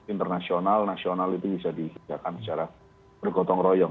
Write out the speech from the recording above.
internasional nasional itu bisa disediakan secara bergotong royong